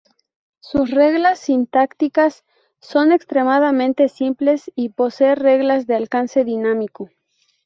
Sus reglas sintácticas son extremadamente simples y posee reglas de alcance dinámico.